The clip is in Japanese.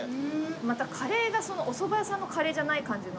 またカレーがおそば屋さんのカレーじゃない感じの。